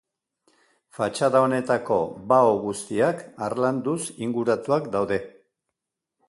Fatxada honetako bao guztiak harlanduz inguratuak daude.